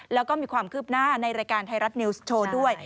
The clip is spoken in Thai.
แล้วก็มีความคืบหน้าในรายการไทยรัฐนิวส์โชว์ด้วย